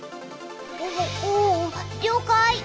おおおりょうかい！